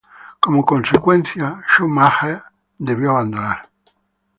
Como consecuencia, Schumacher debió abandonar.